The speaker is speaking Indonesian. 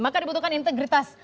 maka dibutuhkan integritas